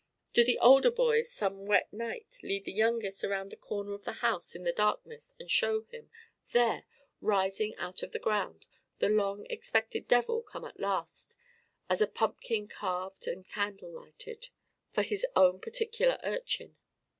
Do the older boys some wet night lead the youngest around the corner of the house in the darkness and show him, there! rising out of the ground! the long expected Devil come at last (as a pumpkin carved and candle lighted) for his own particular urchin?